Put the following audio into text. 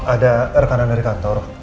ada rekanan dari kantor